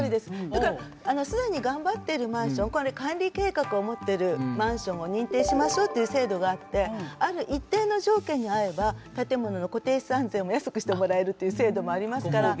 だから既に頑張ってるマンション管理計画を持ってるマンションを認定しましょうという制度があってある一定の条件に合えば建物の固定資産税も安くしてもらえるっていう制度もありますから。